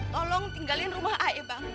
tolong tinggalin rumah ai bang